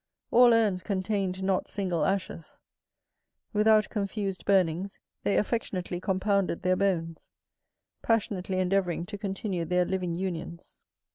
All urns contained not single ashes; without confused burnings they affectionately compounded their bones; passionately endeavouring to continue their living unions.